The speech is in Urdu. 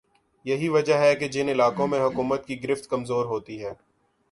یہی وجہ ہے کہ جن علاقوں میں حکومت کی گرفت کمزور ہوتی ہے